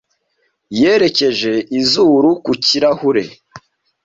Yerekeje izuru ku kirahure.